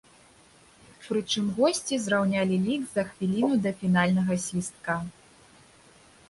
Прычым госці зраўнялі лік за хвіліну да фінальнага свістка.